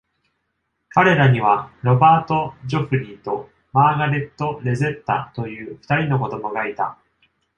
彼らにはロバート・ジョフリーとマーガレット・レゼッタというふたりの子供がいた。